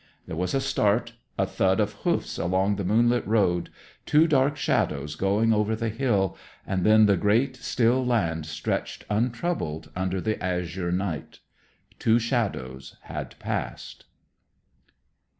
There was a start, a thud of hoofs along the moonlit road, two dark shadows going over the hill; and then the great, still land stretched untroubled under the azure night. Two shadows had passed.